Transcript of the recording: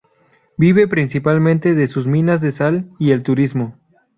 Vive principalmente de sus minas de sal, y el turismo.